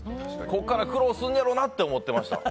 ここから苦労するんだろうなって思ってました。